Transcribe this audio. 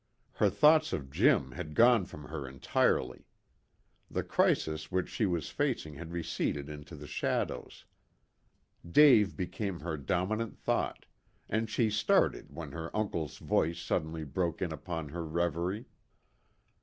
Her thoughts of Jim had gone from her entirely. The crisis which she was facing had receded into the shadows. Dave became her dominant thought, and she started when her uncle's voice suddenly broke in upon her reverie.